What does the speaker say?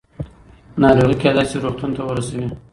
ناروغي کېدای شي روغتون ته ورسوي.